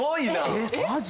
えっマジ？